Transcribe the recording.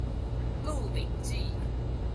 鹿鼎記